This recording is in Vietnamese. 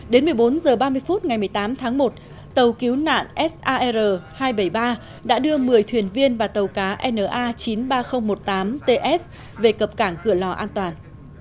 đến một mươi bốn h ba mươi phút ngày một mươi tám tháng một tàu cứu nạn sar hai trăm bảy mươi ba đã đưa một mươi thuyền viên và tàu cá na chín mươi ba nghìn một mươi tám ts về cập cảng cửa lò an toàn